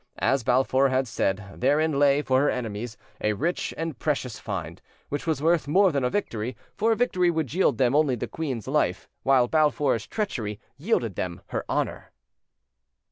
As Balfour had said, therein lay, for her enemies, a rich and precious find, which was worth more than a victory; for a victory would yield them only the queen's life, while Balfour's treachery yielded them her honour.